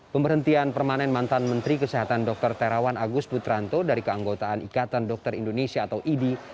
pemberhentian permanen mantan menteri kesehatan dr terawan agus putranto dari keanggotaan ikatan dokter indonesia atau idi